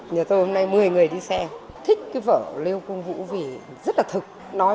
nhờ tôi hôm nay một mươi người đi xe thích cái vở lưu quang vũ vì rất là thực